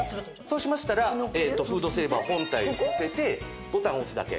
そうしましたらフードセーバー本体をのせてボタンを押すだけ。